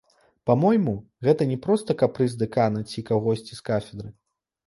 Па-мойму, гэта не проста капрыз дэкана ці кагосьці з кафедры.